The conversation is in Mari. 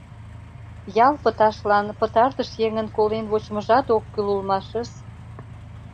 Ял пыташлан пытартыш еҥын колен вочмыжат ок кӱл улмашыс!